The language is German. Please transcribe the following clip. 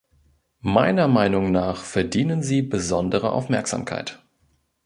Meiner Meinung nach verdienen sie besondere Aufmerksamkeit.